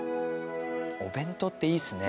お弁当っていいですね。